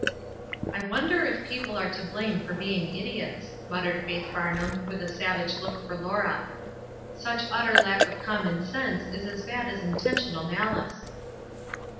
"I wonder if people are t6 blame for being Idiots," muttered Faith Farnham, with a savage look for Laura. "Such utter lack of common sense is as bad as intentional mahce."